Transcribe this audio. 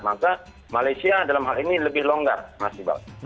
maka malaysia dalam hal ini lebih longgar masih banget